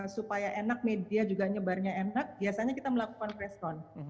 supaya enak media juga nyebarnya enak biasanya kita melakukan preston